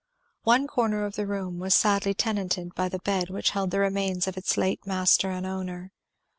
One corner of the room was sadly tenanted by the bed which held the remains of its late master and owner.